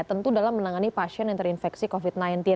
tentu dalam menangani pasien yang terinfeksi covid sembilan belas